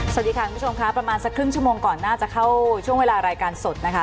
สวัสดีค่ะคุณผู้ชมค่ะประมาณสักครึ่งชั่วโมงก่อนน่าจะเข้าช่วงเวลารายการสดนะคะ